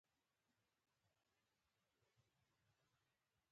دا د غوټۍ د پلار لاسي بتۍ ده.